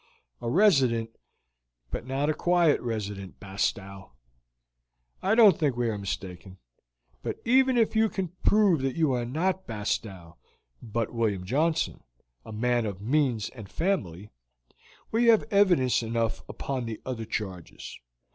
"A resident, but not a quiet resident, Bastow. I don't think we are mistaken; but even if you can prove that you are not Bastow, but William Johnson, a man of means and family, we have evidence enough upon the other charges.